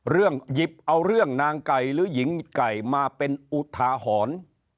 หยิบเอาเรื่องนางไก่หรือหญิงไก่มาเป็นอุทาหรณ์